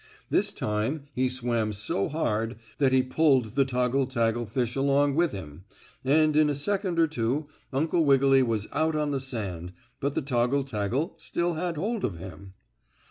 This time he swam so hard that he pulled the toggle taggle fish along with him, and in a second or two Uncle Wiggily was out on the sand, but the toggle taggle still had hold of him.